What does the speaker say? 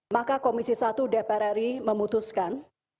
maka komisi satu dpr ri memutuskan